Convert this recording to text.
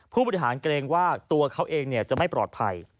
ผู้บริหารเกรงว่าตัวเขาเองจะไม่ปลอดภัย